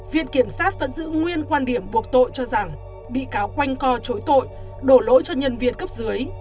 viện kiểm sát vẫn giữ nguyên quan điểm buộc tội cho rằng bị cáo quanh co chối tội đổ lỗi cho nhân viên cấp dưới